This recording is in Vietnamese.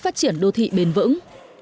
phát triển đô thị bền vững